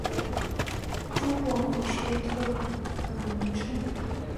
中国股市特有名称。